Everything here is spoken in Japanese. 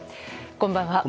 こんばんは。